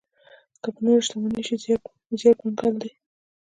که په نوره شتمنۍ شي، زيار کنګال دی.